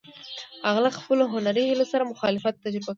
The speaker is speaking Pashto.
هغه له خپلو هنري هیلو سره مخالفت تجربه کړ.